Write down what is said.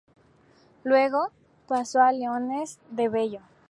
Luego, pasó a Leones de Bello.